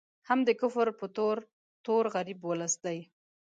هم د کفر په تور، تور غریب ولس دی